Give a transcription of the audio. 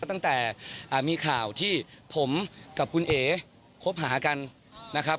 ตั้งแต่มีข่าวที่ผมกับคุณเอ๋คบหากันนะครับ